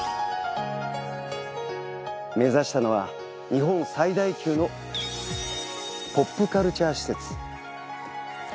目指したのは日本最大級のポップカルチャー施設。